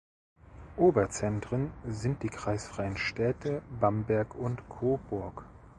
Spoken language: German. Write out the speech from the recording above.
Oberzentren sind die kreisfreien Städte Bamberg und Coburg.